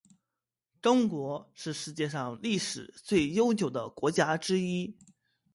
中国是世界上历史最悠久的国家之一。